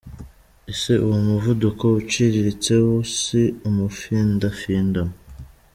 Ese uwo muvuduko uciriritse wo si umufindafindano?